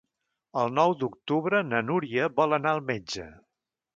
El nou d'octubre na Núria vol anar al metge.